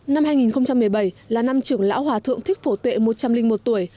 năm hai nghìn một mươi bảy là năm trưởng lão hòa thượng thích phổ tuệ một trăm linh một tuổi